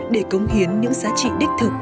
để cống hiến những giá trị đích thực